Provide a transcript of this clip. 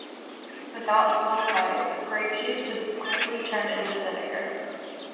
Without sulfites, grape juice would quickly turn to vinegar.